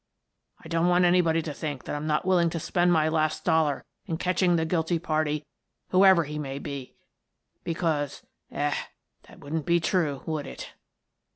I don't want anybody to think that I'm not willing to spend my last dol lar in catching the guilty party, whoever he may be, because — eh — that wouldn't be true, would it?"